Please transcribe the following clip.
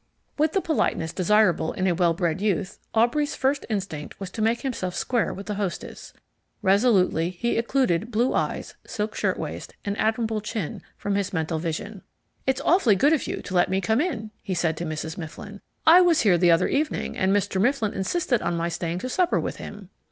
With the politeness desirable in a well bred youth, Aubrey's first instinct was to make himself square with the hostess. Resolutely he occluded blue eyes, silk shirtwaist, and admirable chin from his mental vision. "It's awfully good of you to let me come in," he said to Mrs. Mifflin. "I was here the other evening and Mr. Mifflin insisted on my staying to supper with him."